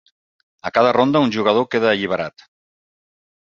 A cada ronda un jugador queda alliberat.